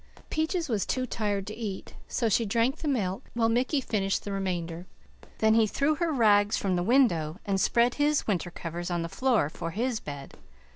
Peaches was too tired to eat, so she drank the milk while Mickey finished the remainder. Then he threw her rags from the window, and spread his winter covers on the floor for his bed.